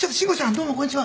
「どうもこんにちは」